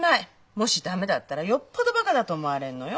もし駄目だったらよっぽどバカだと思われんのよ？